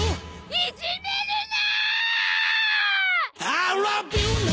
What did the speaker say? いじめるな！！